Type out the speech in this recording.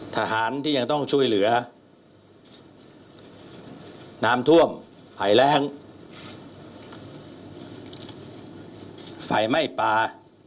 ทหารที่ยังต้องช่วยเหลือน้ำท่วมภัยแรงไฟไหม้ป่า